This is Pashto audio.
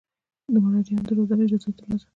د مریدانو د روزلو اجازه یې ترلاسه کړه.